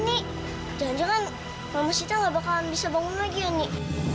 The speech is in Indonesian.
nek jangan jangan mama sita gak bakalan bisa bangun lagi ya nek